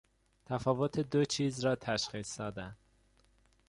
تفاوت دو چیز را تشخیص دادن